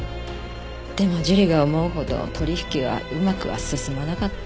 でも樹里が思うほど取引はうまくは進まなかった。